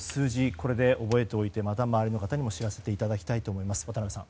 これで覚えておいて周りの方にも知らせていただきたいと思います。